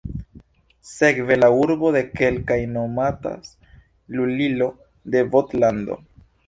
Sekve la urbo de kelkaj nomatas lulilo de Vogt-lando.